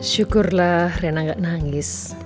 syukurlah rena nggak nangis